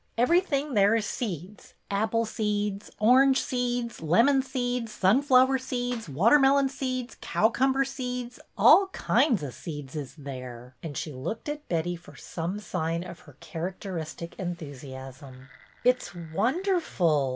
Everythin' there is seeds, apple seeds, orange seeds, lemon seeds, sunflower seeds, water melon seeds, cowcumber seeds, all kinds of seeds is there ;" and she looked at Betty for some sign of her characteristic enthusiasm. " It 's wonderful